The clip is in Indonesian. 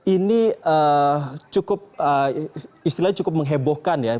ini cukup istilahnya cukup menghebohkan ya